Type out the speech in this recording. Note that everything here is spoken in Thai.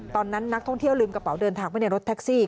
ตอนนั้นนักท่องเที่ยวลืมกระเป๋าเดินทางไว้ในรถแท็กซี่